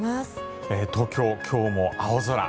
東京、今日も青空。